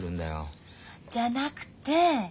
じゃなくて。